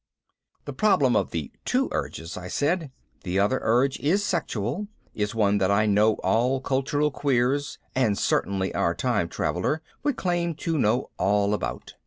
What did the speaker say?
The problem of the two urges, I said. The other urge, the sexual, is one that I know all cultural queers (and certainly our time traveler) would claim to know all about.